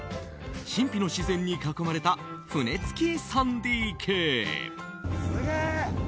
神秘の自然に囲まれた船付き３ＤＫ。